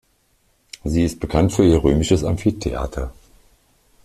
Sie ist bekannt für ihr römisches Amphitheater.